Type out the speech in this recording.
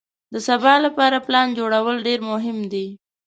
د سبا لپاره پلان جوړول ډېر مهم دي.